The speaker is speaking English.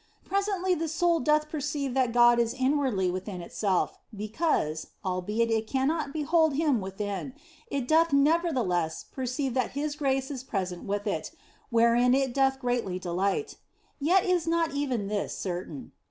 Presently the soul doth perceive that God is inwardly within itself, because albeit it cannot behold Him within it doth nevertheless perceive that His grace is present with it, wherein it doth greatly de light. Yet is not even this certain.